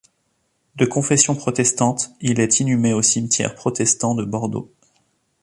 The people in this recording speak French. De confession protestante, il est inhumé au cimetière protestant de Bordeaux.